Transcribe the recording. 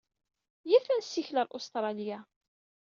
Iyyat ad nessikel ɣer Ustṛalya.